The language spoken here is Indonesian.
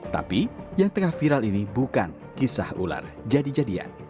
tapi yang tengah viral ini bukan kisah ular jadi jadian